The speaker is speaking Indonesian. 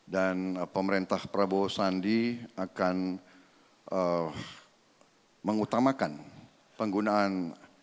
dan pemerintah prabowo sandi akan mengutamakan penggunaan